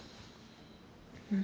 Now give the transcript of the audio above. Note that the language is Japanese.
うん。